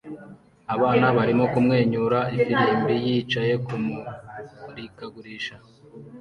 Abana barimo kumwenyura ifirimbi bicaye kumurikagurisha